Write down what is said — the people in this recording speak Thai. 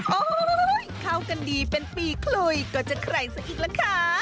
โอ๊ยเข้ากันดีเป็นปีคลุยก็จะใคร้ซะอีกแล้วค่ะ